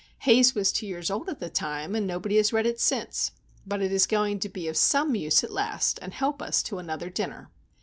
Haze was two years old at the time, and nobody has read it since;—but it is going to be of some use, at last, and help us to another dinner!"